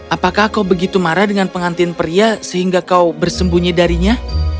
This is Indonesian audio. apakah kau begitu marah dengan pengantin pria sehingga kau bersembunyi darinya